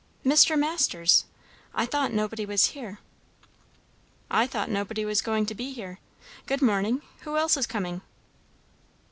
"Mr. Masters! I thought nobody was here." "I thought nobody was going to be here. Good morning! Who else is coming?"